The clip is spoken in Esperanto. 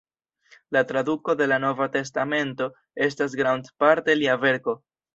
La traduko de la "Nova testamento" estas grandparte lia verko.